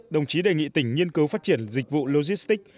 đồng chí đề nghị tỉnh nghiên cứu phát triển dịch vụ logistics